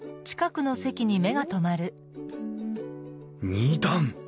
２段！